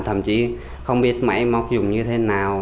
thậm chí không biết máy móc hay là thiên về những chuyên ngành về gỗ